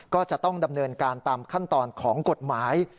ก็จะต้องดำเนินการตามขั้นตอนของกฎหมาย